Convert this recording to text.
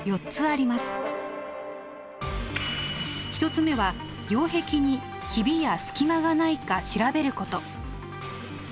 １つ目は擁壁にひびや隙間がないか調べること。